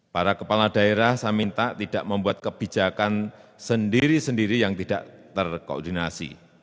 para kepala daerah saya minta tidak membuat kebijakan sendiri sendiri yang tidak terkoordinasi